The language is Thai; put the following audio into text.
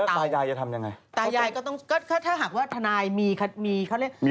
ถ้าหากจะทำได้อีกก็คือก็มีเหลือของใหม่